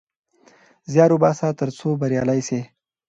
زيار وباسه ترڅو بريالی سې